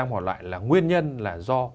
họ loại là nguyên nhân là do